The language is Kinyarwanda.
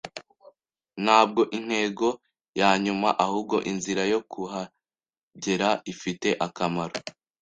Ntabwo intego yanyuma, ahubwo inzira yo kuhagera ifite akamaro.